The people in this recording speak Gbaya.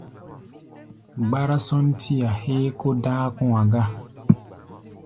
Gbárá-sɔ́ntí-a héé kó dáa kɔ̧́-a̧ ga.